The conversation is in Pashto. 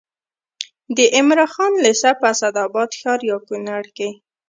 د عمراخان لېسه په اسداباد ښار یا کونړ کې